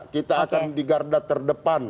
kita akan di garda terdepan